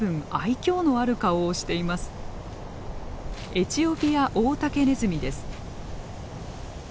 エチオピアオオタケネズミです。